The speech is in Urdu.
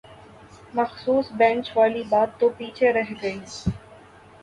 مخصوص بینچ والی بات تو پیچھے رہ گئی